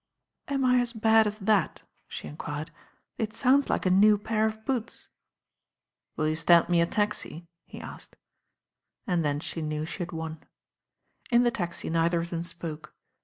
"Am I as bad as that?" she enquired. "It sounds like a new pair of boots." "Will you stand me a taxi?" he asked. And then she knew she had won. In the taxi neither of them spoke.